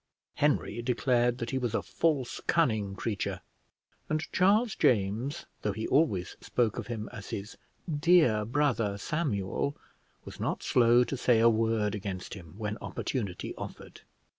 Henry declared that he was a false, cunning creature; and Charles James, though he always spoke of him as his dear brother Samuel, was not slow to say a word against him when opportunity offered.